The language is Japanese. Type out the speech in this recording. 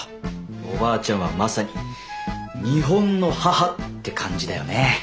おばあちゃんはまさに日本の母って感じだよね。